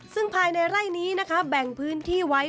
ซึ่งภายในไร่นี้นะคะแบ่งพื้นที่ไว้